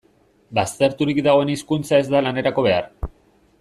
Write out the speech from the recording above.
Bazterturik dagoen hizkuntza ez da lanerako behar.